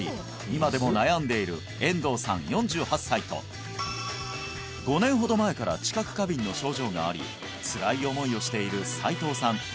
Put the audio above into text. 今でも悩んでいる遠藤さん４８歳と５年ほど前から知覚過敏の症状がありつらい思いをしている齋藤さん